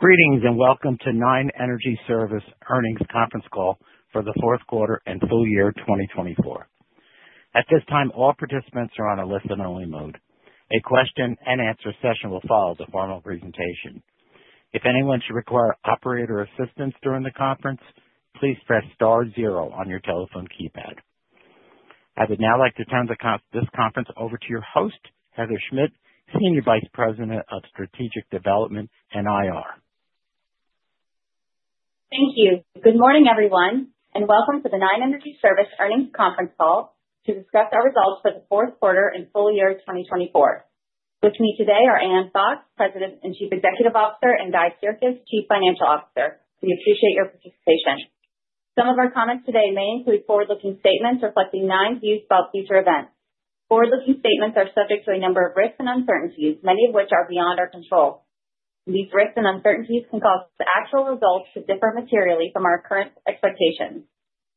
Greetings and welcome to Nine Energy Service Earnings Conference Call for the Q4 and Full Year 2024. At this time, all participants are on a listen-only mode. A question-and-answer session will follow the formal presentation. If anyone should require operator assistance during the conference, please press star zero on your telephone keypad. I would now like to turn this conference over to your host, Heather Schmidt, Senior Vice President of Strategic Development and IR. Thank you. Good morning, everyone, and welcome to the Nine Energy Service Earnings Conference Call to discuss our results for the Q4 and full year 2024. With me today are Ann Fox, President and Chief Executive Officer, and Guy Sirkes, Chief Financial Officer. We appreciate your participation. Some of our comments today may include forward-looking statements reflecting Nine's views about future events. Forward-looking statements are subject to a number of risks and uncertainties, many of which are beyond our control. These risks and uncertainties can cause the actual results to differ materially from our current expectations.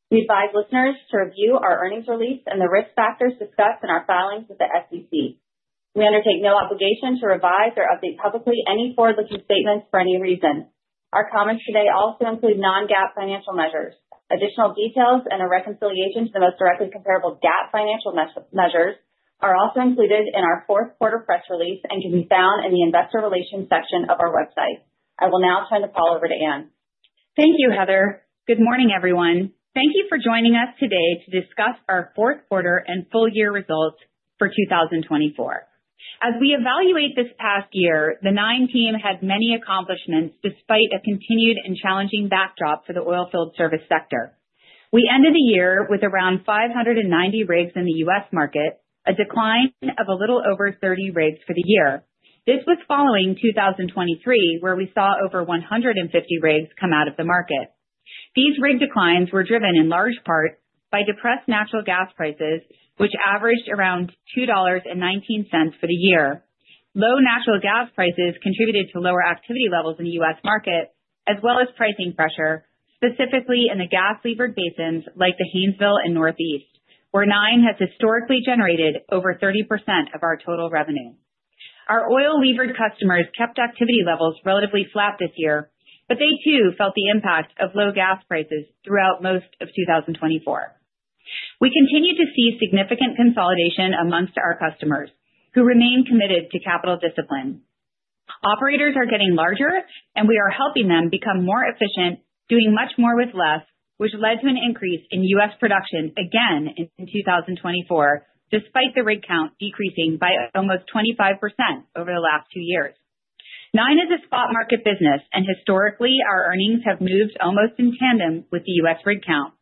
We advise listeners to review our earnings release and the risk factors discussed in our filings with the SEC. We undertake no obligation to revise or update publicly any forward-looking statements for any reason. Our comments today also include non-GAAP financial measures. Additional details and a reconciliation to the most directly comparable GAAP financial measures are also included in our Q4 press release and can be found in the investor relations section of our website. I will now turn the call over to Ann. Thank you, Heather. Good morning, everyone. Thank you for joining us today to discuss our Q4 and full year results for 2024. As we evaluate this past year, the Nine team had many accomplishments despite a continued and challenging backdrop for the oilfield service sector. We ended the year with around 590 rigs in the US market, a decline of a little over 30 rigs for the year. This was following 2023, where we saw over 150 rigs come out of the market. These rig declines were driven in large part by depressed natural gas prices, which averaged around $2.19 for the year. Low natural gas prices contributed to lower activity levels in the US market, as well as pricing pressure, specifically in the gas-levered basins like the Haynesville and Northeast, where Nine has historically generated over 30% of our total revenue. Our oil-levered customers kept activity levels relatively flat this year, but they too felt the impact of low gas prices throughout most of 2024. We continue to see significant consolidation amongst our customers, who remain committed to capital discipline. Operators are getting larger, and we are helping them become more efficient, doing much more with less, which led to an increase in US production again in 2024, despite the rig count decreasing by almost 25% over the last two years. Nine is a spot market business, and historically, our earnings have moved almost in tandem with the US rig count.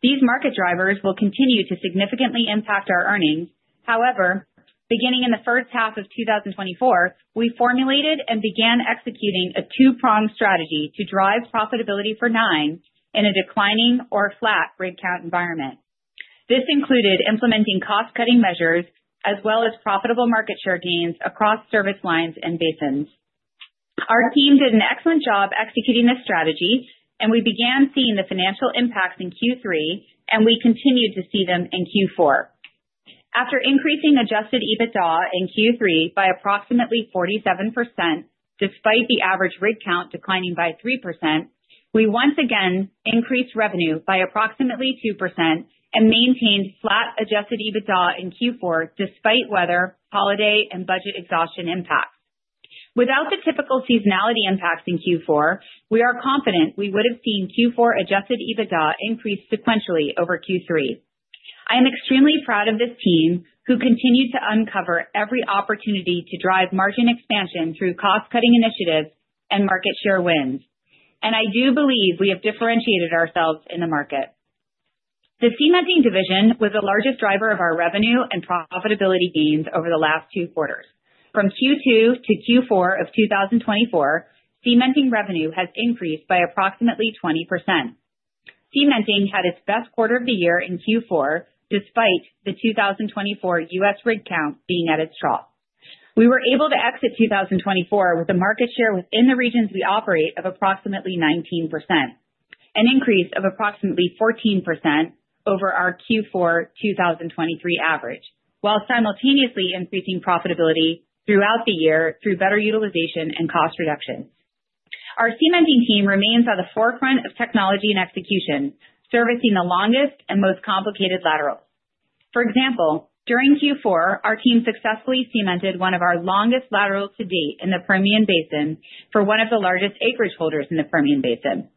These market drivers will continue to significantly impact our earnings. However, beginning in the first half of 2024, we formulated and began executing a two-pronged strategy to drive profitability for Nine in a declining or flat rig count environment. This included implementing cost-cutting measures as well as profitable market share gains across service lines and basins. Our team did an excellent job executing this strategy, and we began seeing the financial impacts in Q3, and we continued to see them in Q4. After increasing adjusted EBITDA in Q3 by approximately 47%, despite the average rig count declining by 3%, we once again increased revenue by approximately 2% and maintained flat adjusted EBITDA in Q4 despite weather, holiday, and budget exhaustion impacts. Without the typical seasonality impacts in Q4, we are confident we would have seen Q4 adjusted EBITDA increase sequentially over Q3. I am extremely proud of this team, who continue to uncover every opportunity to drive margin expansion through cost-cutting initiatives and market share wins. I do believe we have differentiated ourselves in the market. The cementing division was the largest driver of our revenue and profitability gains over the last two quarters. From Q2 to Q4 of 2024, cementing revenue has increased by approximately 20%. Cementing had its best quarter of the year in Q4, despite the 2024 US rig count being at its trough. We were able to exit 2024 with a market share within the regions we operate of approximately 19%, an increase of approximately 14% over our Q4 2023 average, while simultaneously increasing profitability throughout the year through better utilization and cost reductions. Our cementing team remains at the forefront of technology and execution, servicing the longest and most complicated laterals. For example, during Q4, our team successfully cemented one of our longest laterals to date in the Permian Basin for one of the largest acreage holders in the Permian Basin.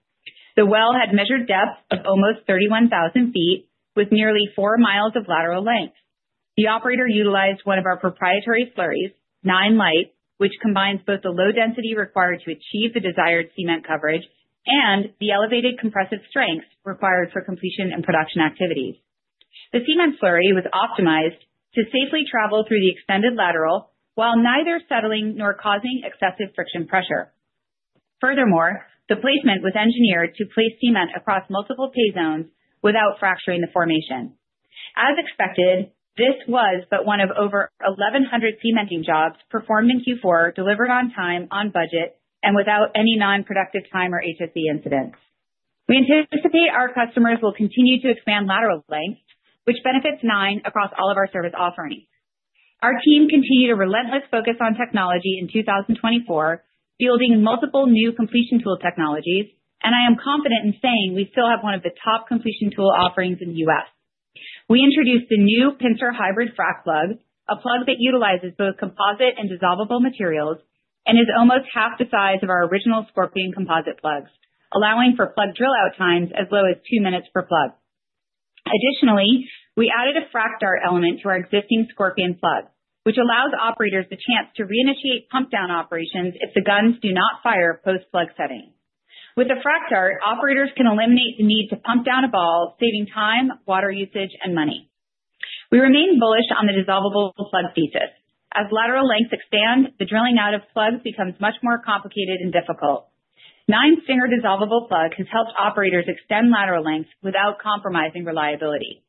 The well had measured depth of almost 31,000 ft, with nearly four miles of lateral length. The operator utilized one of our proprietary slurries, Nine Lite, which combines both the low density required to achieve the desired cement coverage and the elevated compressive strength required for completion and production activities. The cement slurry was optimized to safely travel through the extended lateral while neither settling nor causing excessive friction pressure. Furthermore, the placement was engineered to place cement across multiple pay zones without fracturing the formation. As expected, this was but one of over 1,100 cementing jobs performed in Q4, delivered on time, on budget, and without any nonproductive time or HSE incidents. We anticipate our customers will continue to expand lateral length, which benefits Nine across all of our service offerings. Our team continued a relentless focus on technology in 2024, fielding multiple new completion tool technologies, and I am confident in saying we still have one of the top completion tool offerings in the US. We introduced the new Pincer hybrid frac plug, a plug that utilizes both composite and dissolvable materials, and is almost half the size of our original Scorpion composite plugs, allowing for plug drill-out times as low as two minutes per plug. Additionally, we added a frac dart element to our existing Scorpion plug, which allows operators the chance to reinitiate pump-down operations if the guns do not fire post-plug setting. With the frac dart, operators can eliminate the need to pump down a ball, saving time, water usage, and money. We remain bullish on the dissolvable plug thesis. As lateral lengths expand, the drilling out of plugs becomes much more complicated and difficult. Nine's Stinger Dissolvable Plug has helped operators extend lateral lengths without compromising reliability.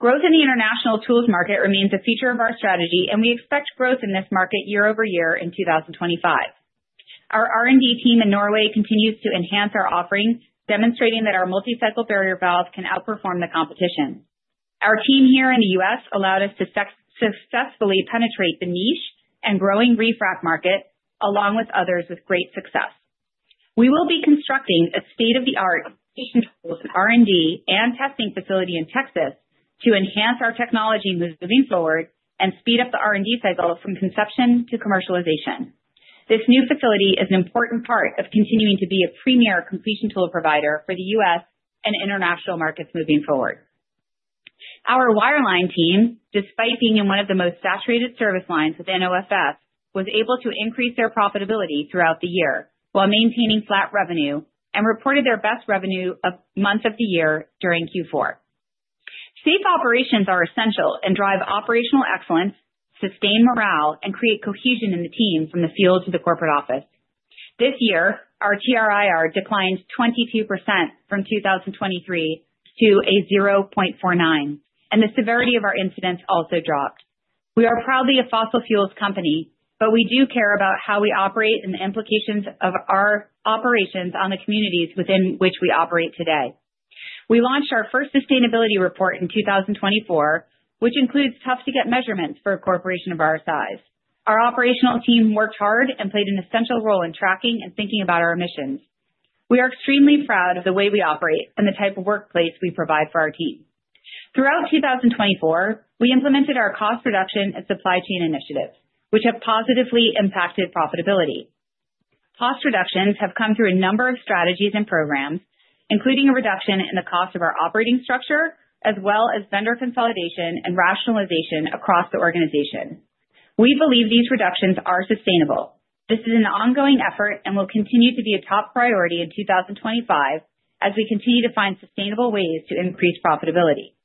Growth in the international tools market remains a feature of our strategy, and we expect growth in this market year over year in 2025. Our R&D team in Norway continues to enhance our offering, demonstrating that our multicycle barrier valves can outperform the competition. Our team here in the US allowed us to successfully penetrate the niche and growing refrac market, along with others, with great success. We will be constructing a state-of-the-art completion tools R&D and testing facility in Texas to enhance our technology moving forward and speed up the R&D cycle from conception to commercialization. This new facility is an important part of continuing to be a premier completion tool provider for the US and international markets moving forward. Our wireline team, despite being in one of the most saturated service lines with an OFS, was able to increase their profitability throughout the year while maintaining flat revenue and reported their best revenue month of the year during Q4. Safe operations are essential and drive operational excellence, sustain morale, and create cohesion in the team from the field to the corporate office. This year, our TRIR declined 22% from 2023 to a 0.49, and the severity of our incidents also dropped. We are proudly a fossil fuels company, but we do care about how we operate and the implications of our operations on the communities within which we operate today. We launched our first sustainability report in 2024, which includes tough-to-get measurements for a corporation of our size. Our operational team worked hard and played an essential role in tracking and thinking about our emissions. We are extremely proud of the way we operate and the type of workplace we provide for our team. Throughout 2024, we implemented our cost reduction and supply chain initiatives, which have positively impacted profitability. Cost reductions have come through a number of strategies and programs, including a reduction in the cost of our operating structure, as well as vendor consolidation and rationalization across the organization. We believe these reductions are sustainable. This is an ongoing effort and will continue to be a top priority in 2025 as we continue to find sustainable ways to increase profitability.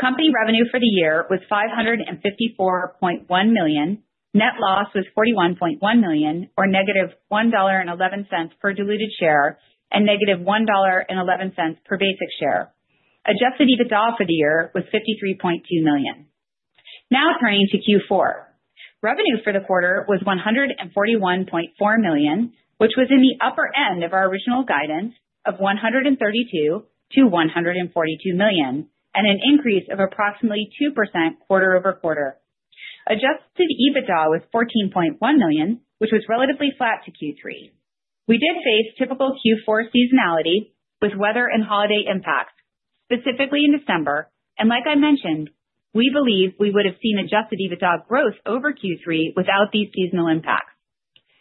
Company revenue for the year was $554.1 million. Net loss was $41.1 million, or negative $1.11 per diluted share and negative $1.11 per basic share. Adjusted EBITDA for the year was $53.2 million. Now turning to Q4, revenue for the quarter was $141.4 million, which was in the upper end of our original guidance of $132 to 142 million, and an increase of approximately 2% quarter over quarter. Adjusted EBITDA was $14.1 million, which was relatively flat to Q3. We did face typical Q4 seasonality with weather and holiday impacts, specifically in December. Like I mentioned, we believe we would have seen adjusted EBITDA growth over Q3 without these seasonal impacts.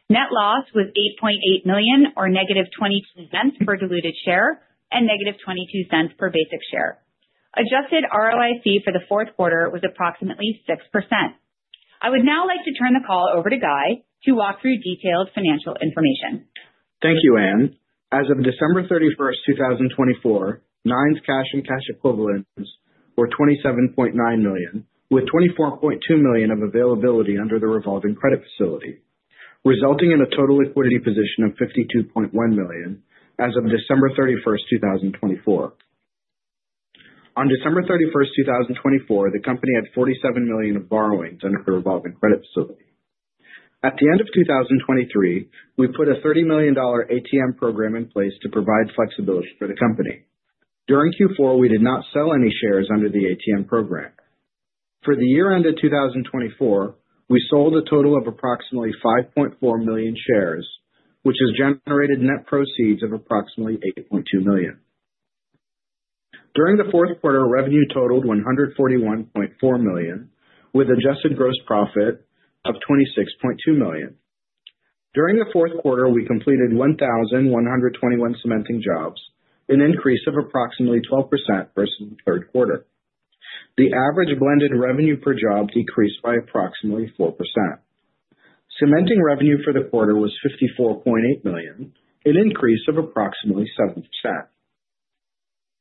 Net loss was $8.8 million, or negative $0.22 per diluted share and negative $0.22 per basic share. Adjusted ROIC for the Q4 was approximately 6%. I would now like to turn the call over to Guy to walk through detailed financial information. Thank you, Ann. As of December 31, 2024, Nine's cash and cash equivalents were $27.9 million, with $24.2 million of availability under the revolving credit facility, resulting in a total liquidity position of $52.1 million as of December 31, 2024. On December 31, 2024, the company had $47 million of borrowings under the revolving credit facility. At the end of 2023, we put a $30 million ATM program in place to provide flexibility for the company. During Q4, we did not sell any shares under the ATM program. For the year-end of 2024, we sold a total of approximately $5.4 million shares, which has generated net proceeds of approximately $8.2 million. During the Q4, revenue totaled $141.4 million, with adjusted gross profit of $26.2 million. During the Q4, we completed 1,121 cementing jobs, an increase of approximately 12% versus the Q3. The average blended revenue per job decreased by approximately 4%. Cementing revenue for the quarter was $54.8 million, an increase of approximately 7%.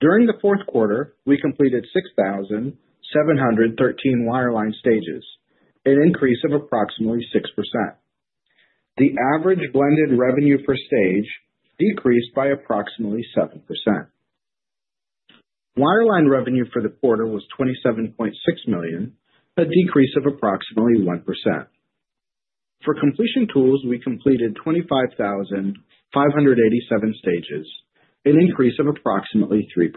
During the Q4, we completed 6,713 wireline stages, an increase of approximately 6%. The average blended revenue per stage decreased by approximately 7%. Wireline revenue for the quarter was $27.6 million, a decrease of approximately 1%. For completion tools, we completed 25,587 stages, an increase of approximately 3%.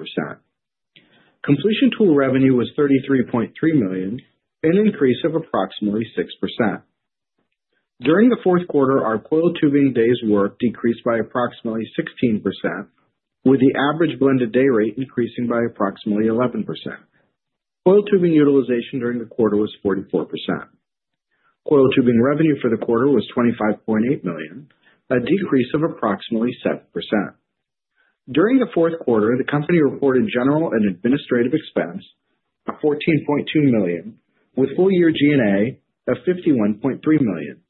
Completion tool revenue was $33.3 million, an increase of approximately 6%. During the Q4, our coil tubing days work decreased by approximately 16%, with the average blended day rate increasing by approximately 11%. Coil tubing utilization during the quarter was 44%. Coil tubing revenue for the quarter was $25.8 million, a decrease of approximately 7%. During the Q4, the company reported general and administrative expense of $14.2 million, with full-year G&A of $51.3 million.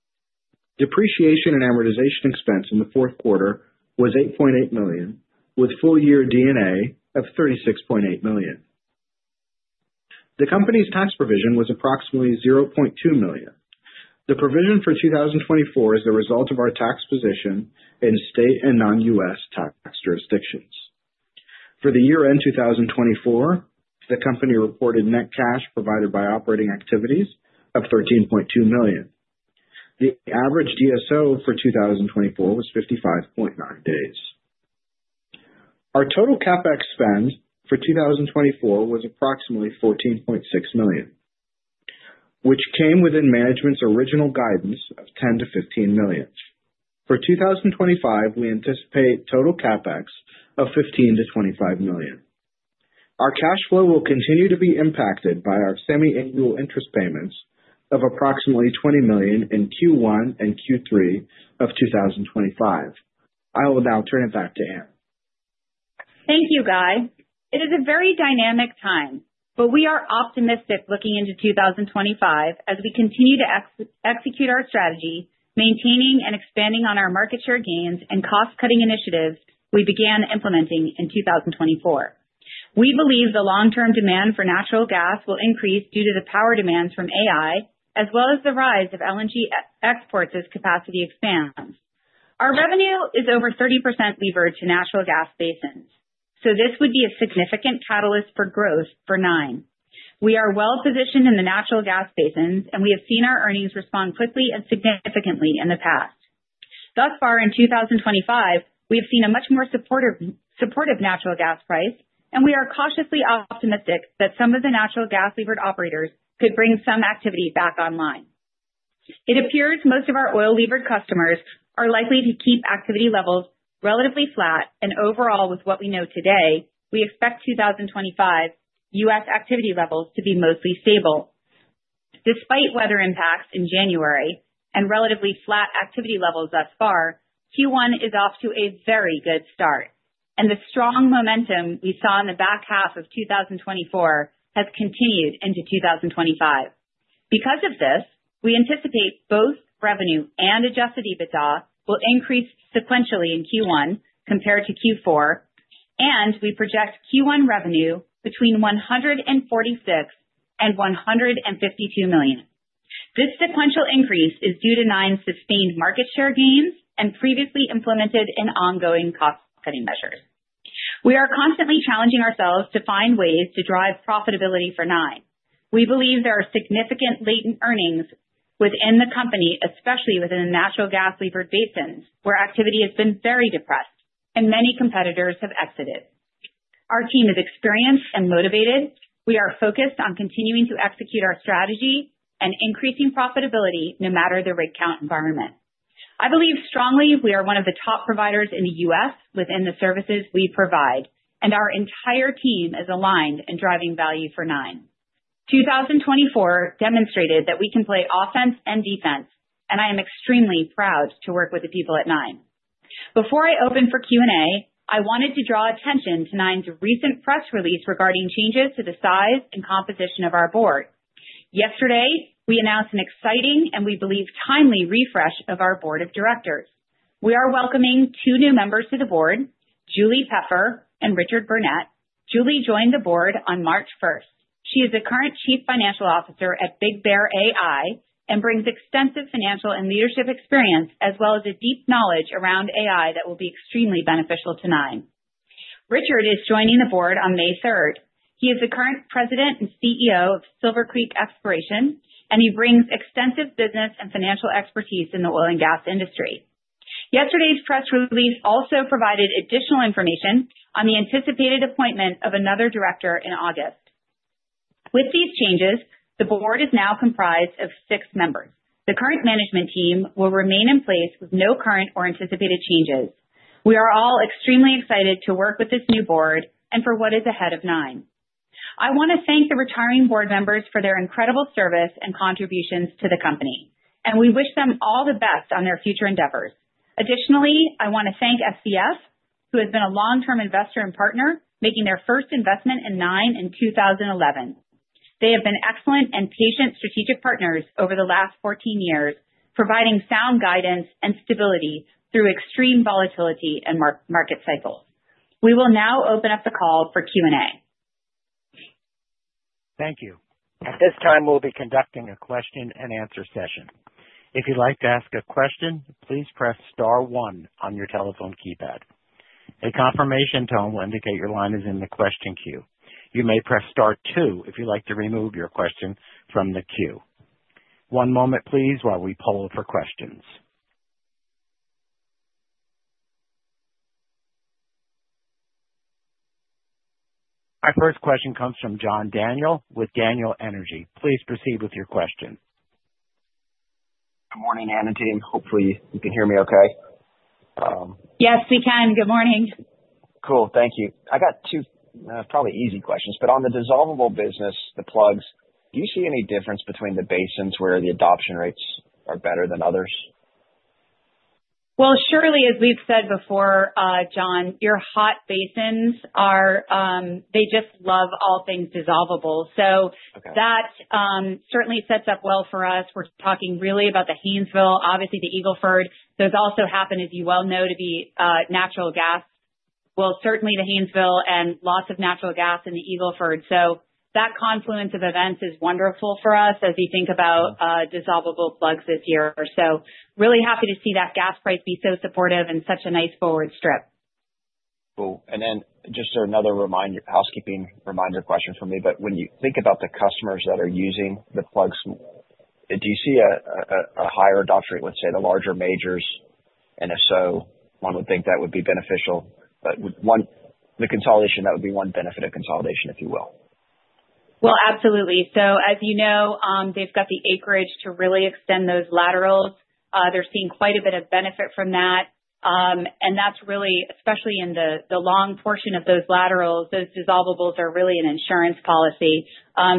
Depreciation and amortization expense in the Q4 was $8.8 million, with full-year D&A of $36.8 million. The company's tax provision was approximately $0.2 million. The provision for 2024 is the result of our tax position in state and non-US tax jurisdictions. For the year-end 2024, the company reported net cash provided by operating activities of $13.2 million. The average DSO for 2024 was 55.9 days. Our total CapEx spend for 2024 was approximately $14.6 million, which came within management's original guidance of $10 to 15 million. For 2025, we anticipate total CapEx of $15 to 25 million. Our cash flow will continue to be impacted by our semi-annual interest payments of approximately $20 million in Q1 and Q3 of 2025. I will now turn it back to Ann. Thank you, Guy. It is a very dynamic time, but we are optimistic looking into 2025 as we continue to execute our strategy, maintaining and expanding on our market share gains and cost-cutting initiatives we began implementing in 2024. We believe the long-term demand for natural gas will increase due to the power demands from AI, as well as the rise of LNG exports as capacity expands. Our revenue is over 30% levered to natural gas basins, so this would be a significant catalyst for growth for Nine. We are well positioned in the natural gas basins, and we have seen our earnings respond quickly and significantly in the past. Thus far, in 2025, we have seen a much more supportive natural gas price, and we are cautiously optimistic that some of the natural gas-levered operators could bring some activity back online. It appears most of our oil-levered customers are likely to keep activity levels relatively flat, and overall, with what we know today, we expect 2025 US activity levels to be mostly stable. Despite weather impacts in January and relatively flat activity levels thus far, Q1 is off to a very good start, and the strong momentum we saw in the back half of 2024 has continued into 2025. Because of this, we anticipate both revenue and adjusted EBITDA will increase sequentially in Q1 compared to Q4, and we project Q1 revenue between $146 to 152 million. This sequential increase is due to Nine's sustained market share gains and previously implemented and ongoing cost-cutting measures. We are constantly challenging ourselves to find ways to drive profitability for Nine. We believe there are significant latent earnings within the company, especially within the natural gas-levered basins, where activity has been very depressed and many competitors have exited. Our team is experienced and motivated. We are focused on continuing to execute our strategy and increasing profitability no matter the rig count environment. I believe strongly we are one of the top providers in the US within the services we provide, and our entire team is aligned in driving value for Nine. 2024 demonstrated that we can play offense and defense, and I am extremely proud to work with the people at Nine. Before I open for Q&A, I wanted to draw attention to Nine's recent press release regarding changes to the size and composition of our board. Yesterday, we announced an exciting and we believe timely refresh of our board of directors. We are welcoming two new members to the board, Julie Peffer and Richard Burnett. Julie joined the board on March 1st. She is the current Chief Financial Officer at BigBear.ai and brings extensive financial and leadership experience, as well as a deep knowledge around AI that will be extremely beneficial to Nine. Richard is joining the board on May 3rd. He is the current President and CEO of Silver Creek Exploration, and he brings extensive business and financial expertise in the oil and gas industry. Yesterday's press release also provided additional information on the anticipated appointment of another director in August. With these changes, the board is now comprised of six members. The current management team will remain in place with no current or anticipated changes. We are all extremely excited to work with this new board and for what is ahead of Nine. I want to thank the retiring board members for their incredible service and contributions to the company, and we wish them all the best on their future endeavors. Additionally, I want to thank SCF, who has been a long-term investor and partner, making their first investment in Nine in 2011. They have been excellent and patient strategic partners over the last 14 years, providing sound guidance and stability through extreme volatility and market cycles. We will now open up the call for Q&A. Thank you. At this time, we'll be conducting a question and answer session. If you'd like to ask a question, please press star one on your telephone keypad. A confirmation tone will indicate your line is in the question queue. You may press star two if you'd like to remove your question from the queue. One moment, please, while we poll for questions. Our first question comes from John Daniel with Daniel Energy. Please proceed with your question. Good morning, Ann and team. Hopefully, you can hear me okay. Yes, we can. Good morning. Cool. Thank you. I got two probably easy questions, but on the dissolvable business, the plugs, do you see any difference between the basins where the adoption rates are better than others? Well, surely, as we've said before, John, your hot basins are, they just love all things dissolvable. So that certainly sets up well for us. We're talking really about the Haynesville, obviously the Eagle Ford. Those also happen, as you well know, to be natural gas. Well, certainly, the Haynesville and lots of natural gas in the Eagle Ford. That confluence of events is wonderful for us as we think about dissolvable plugs this year. Really happy to see that gas price be so supportive and such a nice forward strip. Cool. And then, just another housekeeping reminder question for me. But when you think about the customers that are using the plugs, do you see a higher adoption rate, let's say the larger majors, and if so, one would think that would be beneficial. But one, the consolidation, that would be one benefit of consolidation, if you will. Well, absolutely. As you know, they've got the acreage to really extend those laterals. They're seeing quite a bit of benefit from that. That's really, especially in the long portion of those laterals, those dissolvables are really an insurance policy.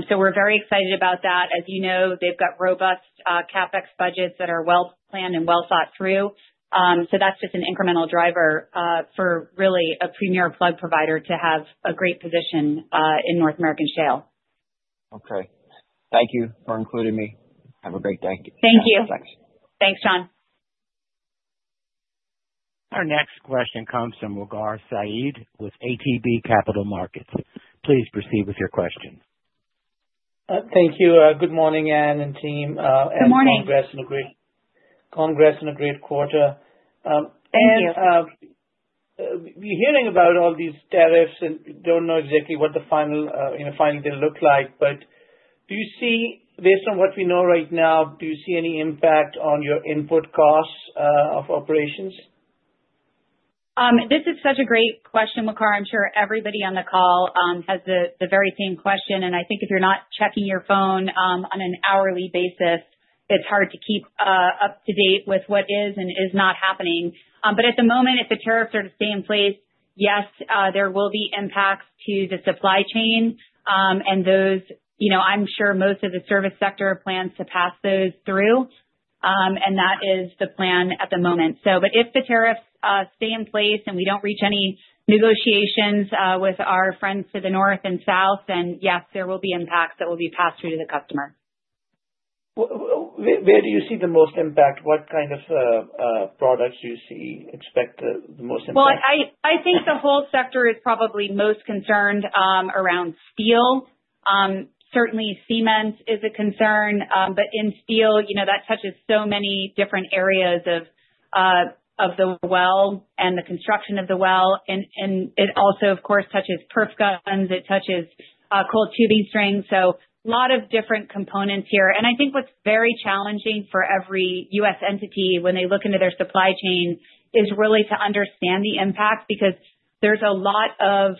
We're very excited about that. As you know, they've got robust CapEx budgets that are well planned and well thought through. That's just an incremental driver for really a premier plug provider to have a great position in North American shale. Okay. Thank you for including me. Have a great day. Thank you. Thanks, John. Our next question comes from Waqar Syed with ATB Capital Markets. Please proceed with your question. Thank you. Good morning, Ann and team. Good morning. Congrats and a great quarter. Thank you. Hearing about all these tariffs and do not know exactly what the final day looks like, but do you see, based on what we know right now, do you see any impact on your input costs of operations? This is such a great question, Waqar. I'm sure everybody on the call has the very same question. I think if you're not checking your phone on an hourly basis, it's hard to keep up to date with what is and is not happening. But at the moment, if the tariffs are to stay in place, yes, there will be impacts to the supply chain. I'm sure most of the service sector plans to pass those through, and that is the plan at the moment. If the tariffs stay in place and we don't reach any negotiations with our friends to the north and south, then yes, there will be impacts that will be passed through to the customer. Where do you see the most impact? What kind of products you see expected the most impact? I think the whole sector is probably most concerned around steel. Certainly, cement is a concern. In steel, that touches so many different areas of the well and the construction of the well. It also, of course, touches perf guns. It touches coil tubing strings. A lot of different components here. I think what's very challenging for every US entity when they look into their supply chain is really to understand the impact because there's a lot of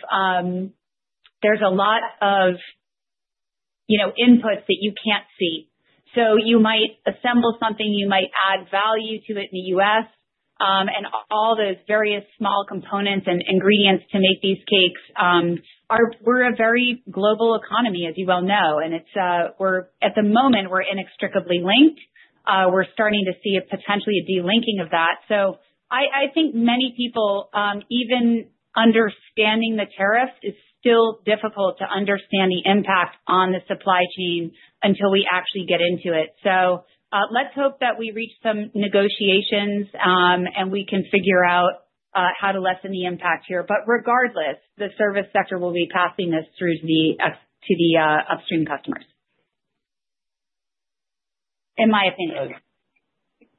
inputs that you can't see. You might assemble something, you might add value to it in the US, and all those various small components and ingredients to make these cakes. We're a very global economy, as you well know. At the moment, we're inextricably linked. We're starting to see potentially a delinking of that. I think many people, even understanding the tariffs, it's still difficult to understand the impact on the supply chain until we actually get into it. Let's hope that we reach some negotiations and we can figure out how to lessen the impact here. Regardless, the service sector will be passing this through to the upstream customers, in my opinion. Okay.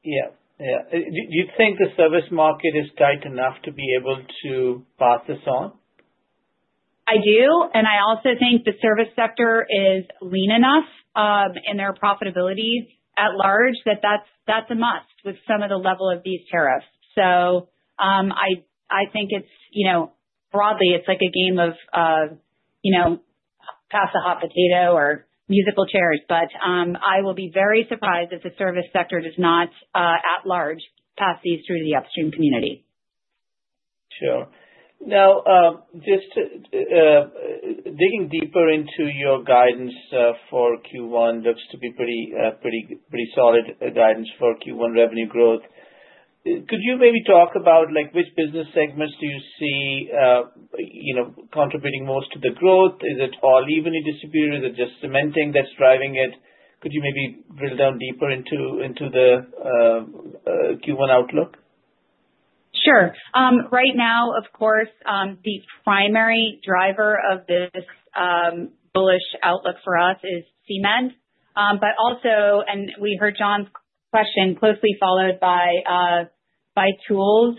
Yeah. Do you think the service market is tight enough to be able to pass this on? I do. I also think the service sector is lean enough in their profitability at large that that's a must with some of the level of these tariffs. I think it's, you know, broadly, it's like a game of pass the hot potato or musical chairs. But I will be very surprised if the service sector does not at large pass these through to the upstream community. Sure. Now, just digging deeper into your guidance for Q1, looks to be pretty solid guidance for Q1 revenue growth. Could you maybe talk about which business segments do you see contributing most to the growth? Is it all evenly distributed? Is it just cementing that's driving it? Could you maybe drill down deeper into the Q1 outlook? Sure. Right now, of course, the primary driver of this bullish outlook for us is cement. Also, and we heard John's question, closely followed by tools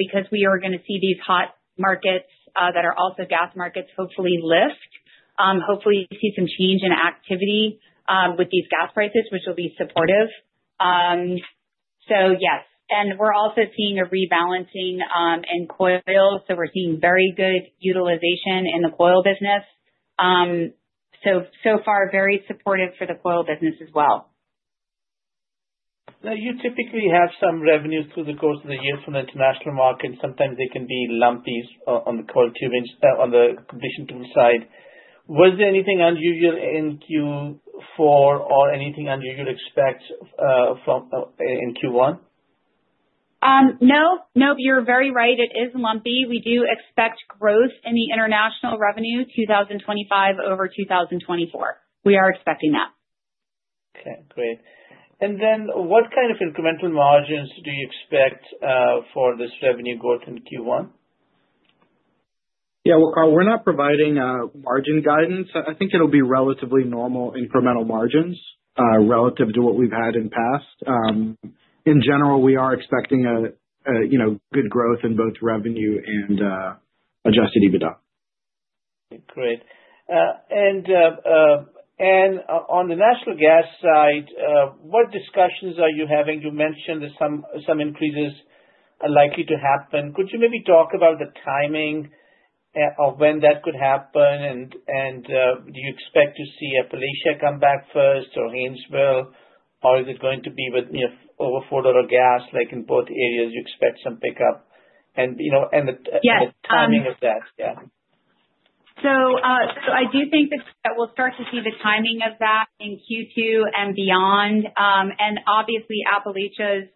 because we are going to see these hot markets that are also gas markets hopefully lift. Hopefully, you see some change in activity with these gas prices, which will be supportive. Yes. We are also seeing a rebalancing in coil. We are seeing very good utilization in the coil business. So far, very supportive for the coil business as well. Now, you typically have some revenue through the course of the year from the international market. Sometimes they can be lumpy on the coil tubing on the completion tool side. Was there anything unusual in Q4 or anything unusual to expect in Q1? No. No, you're very right. It is lumpy. We do expect growth in the international revenue 2025 over 2024. We are expecting that. Okay. Great. What kind of incremental margins do you expect for this revenue growth in Q1? Yeah. We're not providing margin guidance. I think it'll be relatively normal incremental margins relative to what we've had in the past. In general, we are expecting good growth in both revenue and adjusted EBITDA. Great. On the natural gas side, what discussions are you having? You mentioned some increases are likely to happen. Could you maybe talk about the timing of when that could happen? Do you expect to see Appalachia come back first or Haynesville, or is it going to be with over $4 gas in both areas? You expect some pickup and the timing of that? Yeah. I do think that we'll start to see the timing of that in Q2 and beyond. Obviously, Appalachia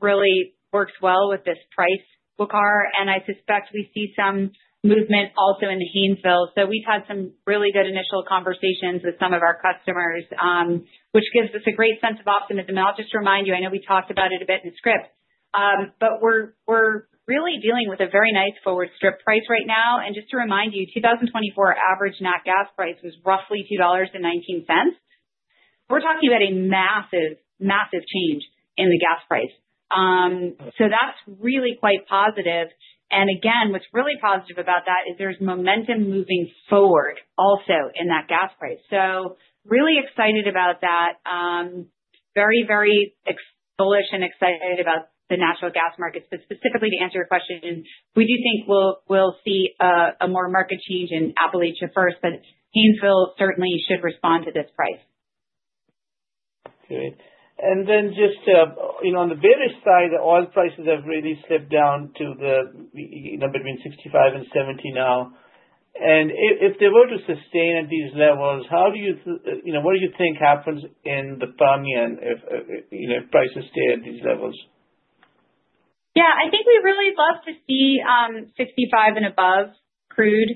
really works well with this price, Weqar. I suspect we see some movement also in Haynesville. We've had some really good initial conversations with some of our customers, which gives us a great sense of optimism. I'll just remind you, I know we talked about it a bit in the script, but we're really dealing with a very nice forward strip price right now. Just to remind you, 2024 average net gas price was roughly $2.19. We're talking about a massive, massive change in the gas price. That's really quite positive. What's really positive about that is there's momentum moving forward also in that gas price. Really excited about that. Very, very bullish and excited about the natural gas markets. Specifically to answer your question, we do think we'll see a more marked change in Appalachia first, but Haynesville certainly should respond to this price. Good. Just on the bearish side, oil prices have really slipped down to between $65 and $70 now. If they were to sustain at these levels, how do you—what do you think happens in the Permian if prices stay at these levels? Yeah. I think we'd really love to see $65 and above crude.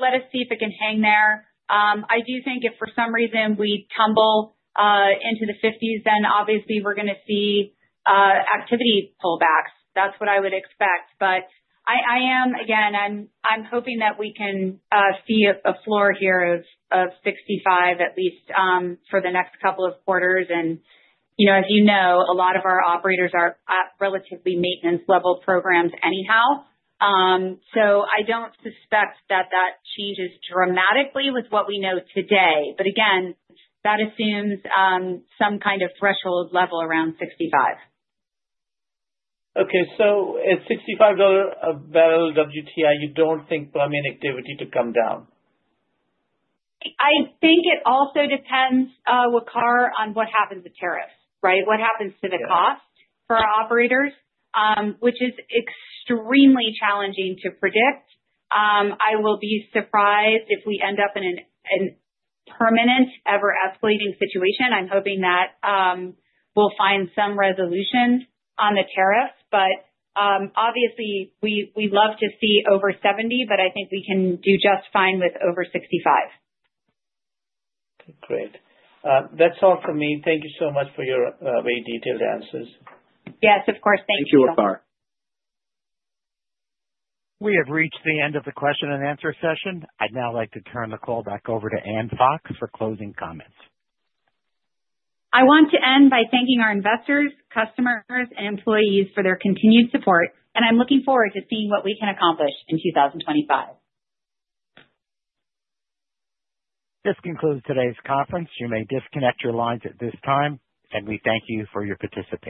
Let us see if it can hang there. I do think if for some reason we tumble into the $50s, obviously we're going to see activity pullbacks. That's what I would expect. I am, again, hoping that we can see a floor here of $65 at least for the next couple of quarters. As you know, a lot of our operators are at relatively maintenance-level programs anyhow. I don't suspect that that changes dramatically with what we know today. Again, that assumes some kind of threshold level around $65. Okay. At $65 barrel WTI, you don't think Permian activity to come down? I think it also depends, Wegar, on what happens with tariffs, right? What happens to the cost for our operators, which is extremely challenging to predict. I will be surprised if we end up in a permanent, ever-escalating situation. I'm hoping that we'll find some resolution on the tariffs. Obviously, we'd love to see over 70, but I think we can do just fine with over 65. Okay. Great. That's all for me. Thank you so much for your very detailed answers. Yes, of course. Thank you. Thank you, Wegar. We have reached the end of the question and answer session. I'd now like to turn the call back over to Ann Fox for closing comments. I want to end by thanking our investors, customers, and employees for their continued support. I am looking forward to seeing what we can accomplish in 2025. This concludes today's conference. You may disconnect your lines at this time. We thank you for your participation.